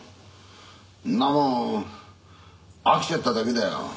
んなもん飽きちゃっただけだよ。